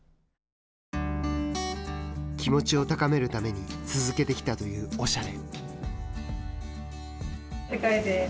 気持ちを高めるために続けてきたというおしゃれ。